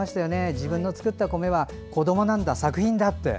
自分の作った米は、子どもなんだ作品だって。